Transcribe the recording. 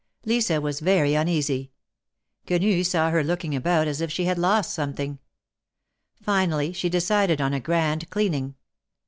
Lisa was very uneasy. Quenu saw her looking about as if she had lost something. Finally she decided on a grand cleaning.